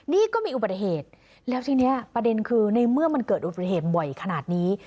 นี่ก็มีอุบัติเหตุแล้วทีนี้ประเด็นคือในเมื่อมันเกิดอุบัติเหตุบ่อยขนาดนี้